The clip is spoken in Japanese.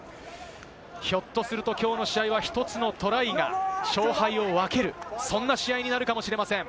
ひょっとすると今日の試合は１つのトライが勝敗を分ける、そんな試合になるかもしれません。